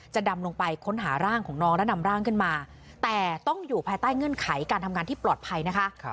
ดำลงไปค้นหาร่างของน้องและนำร่างขึ้นมาแต่ต้องอยู่ภายใต้เงื่อนไขการทำงานที่ปลอดภัยนะคะ